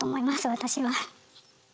私は。